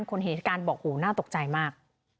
คนเหตุการณ์บอกโหน่าตกใจมาก